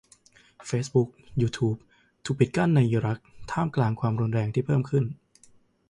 เฟซบุ๊ก ยูทูบ ถูกปิดกั้นในอิรัก ท่ามกลางความรุนแรงที่เพิ่มขึ้น